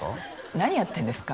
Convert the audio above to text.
何やってんですか？